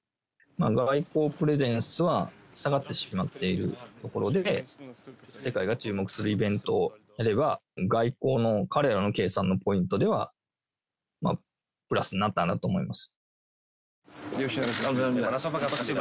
外交プレゼンスが下がってしまっているところで、世界が注目するイベントをやれば、外交の彼らの計算のポイントでは、プラスになったんだと思います。